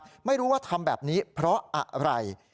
เดินทางเข้าไปดูว่าทำแบบนี้เพราะอะไร